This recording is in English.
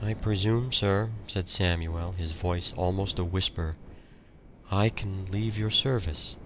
"I presume, sir," said Samuel, his voice almost a whisper, "I can leave your service."